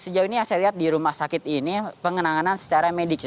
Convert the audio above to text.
sejauh ini yang saya lihat di rumah sakit ini pengenangan secara medis